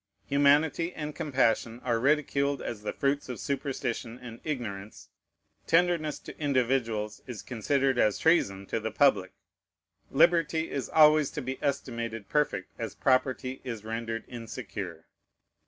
Humanity and compassion are ridiculed as the fruits of superstition and ignorance. Tenderness to individuals is considered as treason to the public. Liberty is always to be estimated perfect as property is rendered insecure.